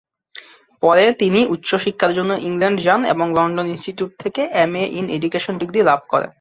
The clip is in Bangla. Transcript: পরে তিনি উচ্চ শিক্ষার জন্য ইংল্যান্ড যান এবং লন্ডন ইনস্টিটিউট থেকে এমএ ইন এডুকেশন ডিগ্রি লাভ করেন।